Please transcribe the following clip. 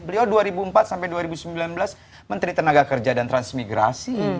beliau dua ribu empat sampai dua ribu sembilan belas menteri tenaga kerja dan transmigrasi